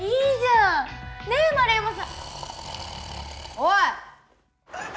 おい！